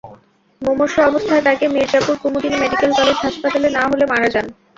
মুমূর্ষু অবস্থায় তাঁকে Mirzapur Kumudini medical college হাসপাতালে নেওয়া হলে মারা যান।